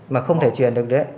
mà không thể truyền được đấy